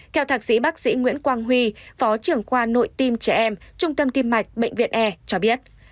theo thạc sĩ bác sĩ nguyễn quang huy phó trưởng khoa nội tim trẻ em trung tâm tim mạch bệnh viện e cho biết